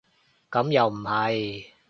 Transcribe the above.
咁又唔係